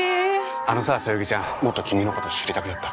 あのさそよぎちゃんもっと君の事知りたくなった。